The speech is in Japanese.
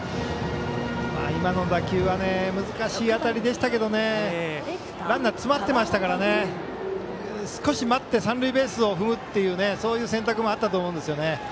今の打球は難しい当たりでしたけどランナー詰まってましたから少し待って三塁ベースを踏むという選択もあったと思います。